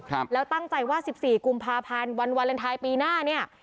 ครับแล้วตั้งใจว่าสิบสี่กุมภาพันธ์วันวาเลนไทยปีหน้าเนี้ย